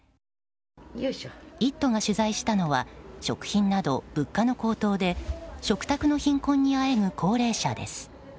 「イット！」が取材したのは食品など物価の高騰で食卓の貧困にあえぐ高齢者です。